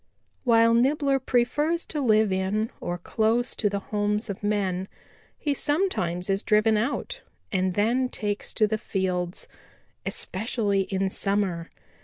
"While Nibbler prefers to live in or close to the homes of men, he sometimes is driven out and then takes to the fields, especially in summer.